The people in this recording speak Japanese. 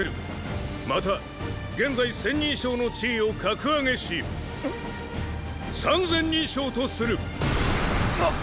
また現在“千人将”の地位を格上げし“三千人将”とする！！！